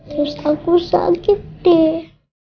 terus aku sakit deh